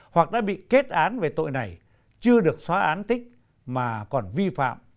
hoặc đã bị kết án về tội này chưa được xóa án tích mà còn vi phạm